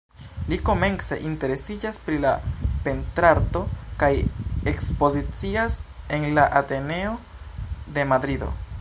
Li komence interesiĝas pri la pentrarto, kaj ekspozicias en la Ateneo de Madrido.